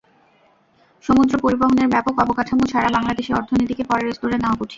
সমুদ্র পরিবহনের ব্যাপক অবকাঠামো ছাড়া বাংলাদেশের অর্থনীতিকে পরের স্তরে নেওয়া কঠিন।